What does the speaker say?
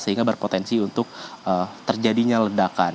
sehingga berpotensi untuk terjadinya ledakan